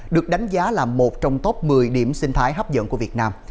được đánh giá là một trong top một mươi điểm sinh thái hấp dẫn của việt nam